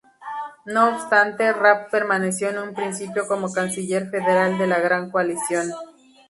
No obstante, Raab permaneció en un principio como Canciller Federal de la gran coalición.